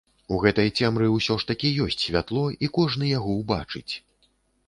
У гэтай цемры ўсё ж такі ёсць святло, і кожны яго ўбачыць.